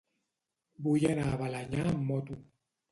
Vull anar a Balenyà amb moto.